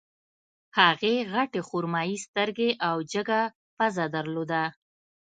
هغې غټې خرمايي سترګې او جګه پزه درلوده